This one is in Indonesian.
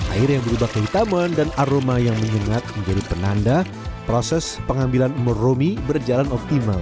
air yang berubah kehitaman dan aroma yang menyengat menjadi penanda proses pengambilan murromi berjalan optimal